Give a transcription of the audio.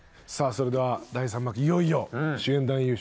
それでは第３幕いよいよ主演男優賞決まります。